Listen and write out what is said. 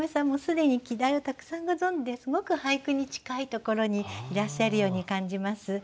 もう既に季題をたくさんご存じですごく俳句に近いところにいらっしゃるように感じます。